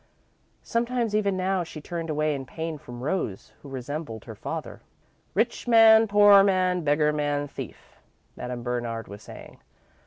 Sometimes, even now, she turned away in pain from Rose, who resembled her father. "'Rich man, poor man, beggar man, thief,'" Madame Bernard was saying.